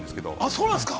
◆そうなんですか！